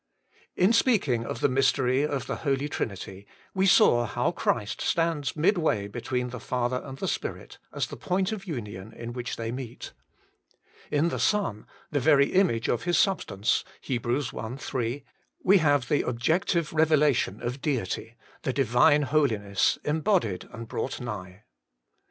In speaking of the mystery of the Holy Trinity, we saw how Christ stands midway between the Father and the Spirit, as the point of union in which they meet. In the Son, ' the very image of His substance ' (Heb. i. 3), we have the objective revela tion of Deity, the Divine Holiness embodied and brought nigh.